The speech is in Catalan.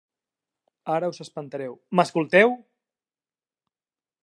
Ara us espantareu, m'escolteu!